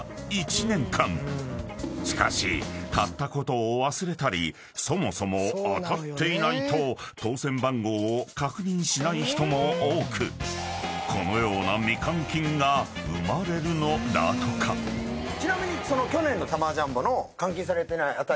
［しかし買ったことを忘れたりそもそも当たっていないと当せん番号を確認しない人も多くこのような］ちなみに。